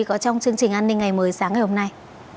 có trong chương trình an ninh ngày mới sáng ngày hôm nay